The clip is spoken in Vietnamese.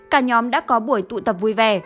cả nhóm đã có buổi tụ tập vui vẻ